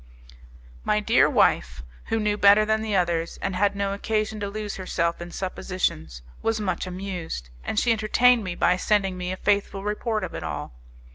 My dear wife, who knew better than the others, and had no occasion to lose herself in suppositions, was much amused, and she entertained me by sending me a faithful report of it all.